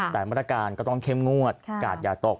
แต่มาตรการก็ต้องเข้มงวดกาดอย่าตก